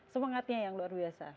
semangatnya yang luar biasa